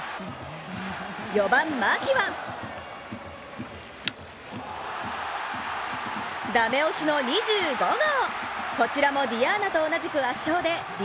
４番・牧は駄目押しの２５号。